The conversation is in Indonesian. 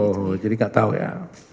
oh jadi gak tau ya